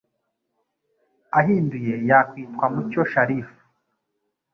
ahinduye yakwitwa Mucyo Sharif